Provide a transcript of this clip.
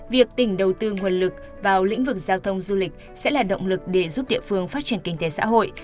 việc tỉnh đầu tư nguồn lực vào lĩnh vực giao thông du lịch sẽ là động lực để giúp địa phương phát triển kinh tế xã hội